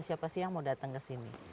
siapa sih yang mau datang ke sini